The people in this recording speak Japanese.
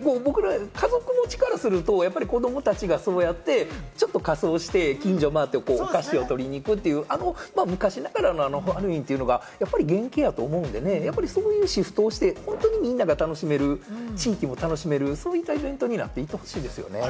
家族持ちからすると子どもたちがそうやってちょっと仮装して、近所を回ってお菓子を取りに行く、昔ながらのハロウィーンというのがやっぱり原型やと思うんで、そういうふうにシフトしてみんなが楽しめる、地域も楽しめる、そういったイベントになっていってほしいですね。